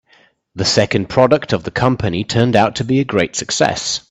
The second product of the company turned out to be a great success.